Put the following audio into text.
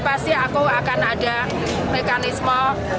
pasti aku akan ada mekanisme